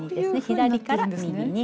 左から右に。